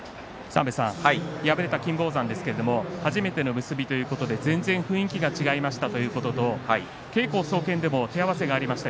敗れた金峰山ですけれど初めての結びということで全然、雰囲気が違いましたということと稽古総見でも手合わせがありました。